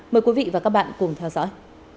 mời quý vị và các bạn cùng theo dõi